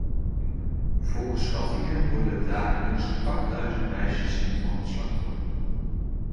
Volgens schattingen worden er dagelijks achtduizend meisjes hiervan het slachtoffer.